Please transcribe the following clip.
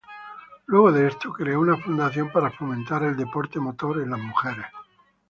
Luego de esto, creó una fundación para fomentar el deporte motor en las mujeres.